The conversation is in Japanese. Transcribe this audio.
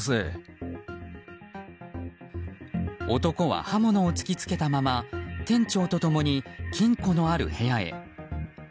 男は刃物を突き付けたまま店長と共に金庫のある部屋へ。